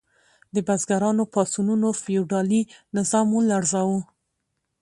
د بزګرانو پاڅونونو فیوډالي نظام ولړزاوه.